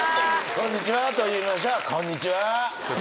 こんにちはと言いましょうこんにちは